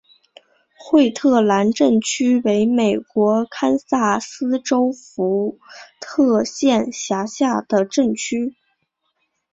惠特兰镇区为美国堪萨斯州福特县辖下的镇区。